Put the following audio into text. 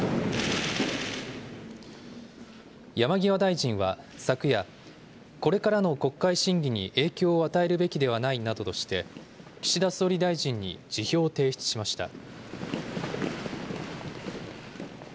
山際大臣は昨夜、これからの国会審議に影響を与えるべきではないなどとして、岸田総理大臣に辞表を提出しました。